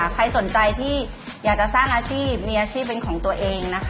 ใครสนใจที่อยากจะสร้างอาชีพมีอาชีพเป็นของตัวเองนะคะ